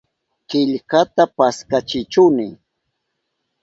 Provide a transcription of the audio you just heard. Killkata paskachihuni.